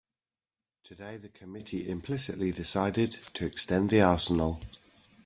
Today the committee implicitly decided to extend the arsenal.